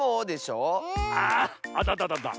あっあたたたた。